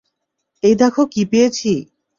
এই দেখো কী পেয়েছি!